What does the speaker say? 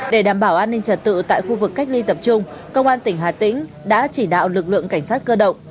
để đảm bảo an ninh trật tự tại khu vực cách ly tập trung công an tỉnh hà tĩnh đã chỉ đạo lực lượng cảnh sát cơ động